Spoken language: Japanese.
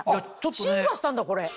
進化したんだこれ！